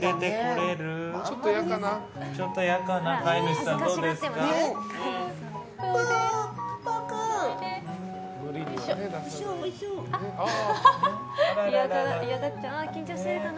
ちょっといやかな。